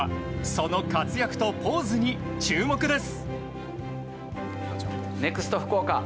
その活躍とポーズに注目です。